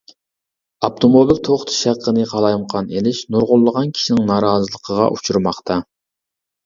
ئاپتوموبىل توختىتىش ھەققىنى قالايمىقان ئېلىش نۇرغۇنلىغان كىشىنىڭ نارازىلىقىغا ئۇچرىماقتا.